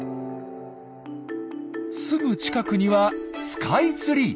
すぐ近くにはスカイツリー。